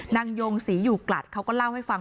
ยงศรีอยู่กลัดเขาก็เล่าให้ฟัง